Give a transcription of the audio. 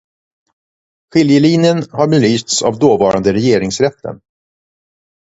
Skiljelinjen har belysts av dåvarande Regeringsrätten.